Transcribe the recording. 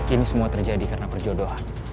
ini semua terjadi karena perjodohan